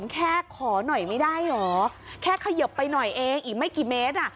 แค่เขยิบไปหน่อยเองอีกไม่กี่เมตร